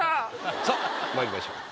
さあまいりましょう。